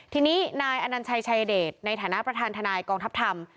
ทีนี้นายอนัญชัยชายเดชในฐานะประธานทนายกองทัพธรรม